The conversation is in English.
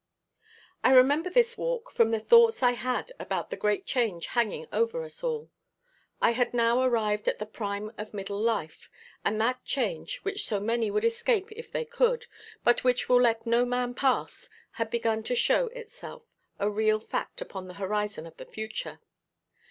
I remember this walk from the thoughts I had about the great change hanging over us all. I had now arrived at the prime of middle life; and that change which so many would escape if they could, but which will let no man pass, had begun to show itself a real fact upon the horizon of the future.